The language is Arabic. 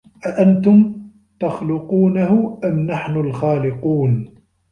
أَأَنتُم تَخلُقونَهُ أَم نَحنُ الخالِقونَ